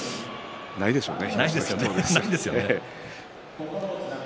ないでしょうね。